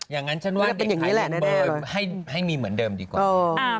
อย่างนั้นฉันว่าเด็กขายเบอร์ให้มีเหมือนเดิมดีกว่า